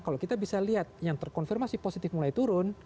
kalau kita bisa lihat yang terkonfirmasi positif mulai turun